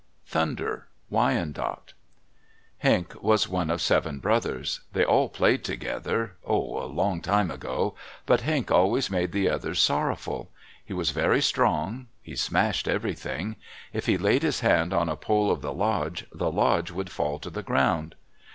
THUNDER Wyandot Henq was one of seven brothers. They all played together—oh, a long time ago—but Henq always made the others sorrowful. He was very strong. He smashed everything. If he laid his hand on a pole of the lodge, the lodge would fall to the ground.